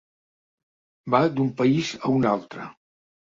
Va d'un país a un altre.